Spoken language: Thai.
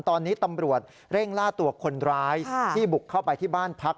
ตอนนี้ตำรวจเร่งล่าตัวคนร้ายที่บุกเข้าไปที่บ้านพัก